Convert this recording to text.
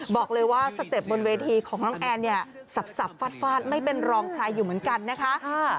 บอกเลยว่าสเต็ปบนเวทีของน้องแอนเนี่ยสับฟาดฟาดไม่เป็นรองใครอยู่เหมือนกันนะคะ